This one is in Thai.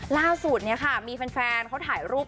ล่าสุดมีแฟนเขาถ่ายรูป